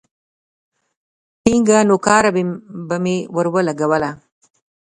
ټينگه نوکاره به مې ورولگوله.